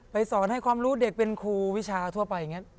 สอนให้ความรู้เด็กเป็นครูวิชาทั่วไปอย่างนี้